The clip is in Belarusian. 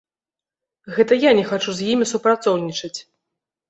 Гэта я не хачу з імі супрацоўнічаць.